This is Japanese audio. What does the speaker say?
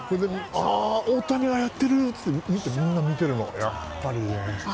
大谷がやってる！っていってみんな見てるの。